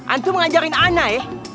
antum ngajarin anak ya